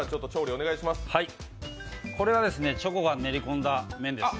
これはチョコが練り込んだ麺です。